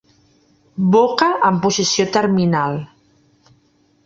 Boca en posició terminal.